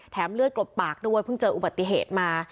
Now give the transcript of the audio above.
เลือดกลบปากด้วยเพิ่งเจออุบัติเหตุมา